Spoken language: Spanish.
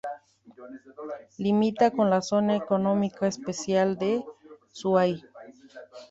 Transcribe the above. Limita con la Zona Económica Especial de Zhuhai.